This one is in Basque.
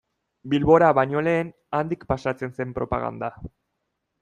Bilbora baino lehen, handik pasatzen zen propaganda.